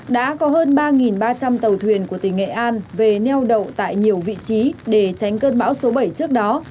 đã có hơn ba ba trăm linh tàu thuyền của tỉnh nghệ an về neo đậu tại nhiều vị trí để tránh cơn bão số bảy trước đó